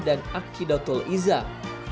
dan akhidatul izzah